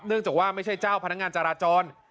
จากว่าไม่ใช่เจ้าพนักงานจราจร